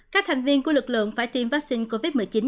các thành viên của lực lượng phải tiêm vaccine covid một mươi chín